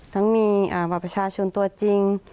ทั้งมีบัตรประชาชนตัวจริง